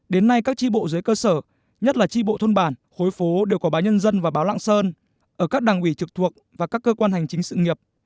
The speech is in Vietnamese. đến nay các tri bộ dưới cơ sở nhất là tri bộ thôn bản khối phố đều có báo nhân dân và báo lạng sơn ở các đảng ủy trực thuộc và các cơ quan hành chính sự nghiệp